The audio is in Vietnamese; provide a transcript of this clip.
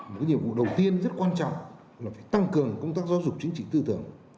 một cái nhiệm vụ đầu tiên rất quan trọng là phải tăng cường công tác giáo dục chính trị tư tưởng